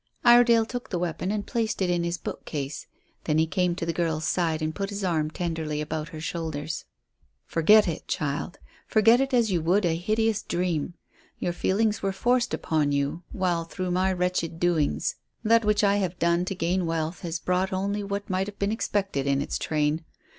Iredale took the weapon and placed it in his bookcase. Then he came to the girl's side and put his arm tenderly about her shoulders. "Forget it, child; forget it as you would a hideous dream. Your feelings were forced upon you by well, through my wretched doings. That which I have done to gain wealth has brought only what might have been expected in its train.